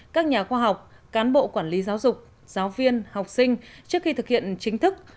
các nhà khoa học cán bộ quản lý giáo dục giáo viên học sinh trước khi thực hiện chính thức